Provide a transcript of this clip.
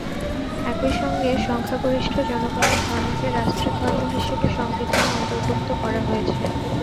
একই সঙ্গে সংখ্যাগরিষ্ঠ জনগণের ধর্মকে রাষ্ট্রের ধর্ম হিসেবে সংবিধানে অন্তর্ভুক্ত করা হয়েছে।